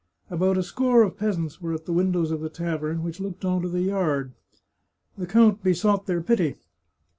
About a score of peasants were at the windows of the tavern, which looked on to the yard. The count besought their pity.